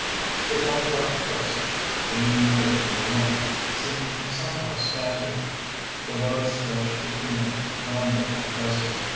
The telegraph posts, leaning away from the wind, seemed somehow scantier; the road stretched between them, lonely and desolate.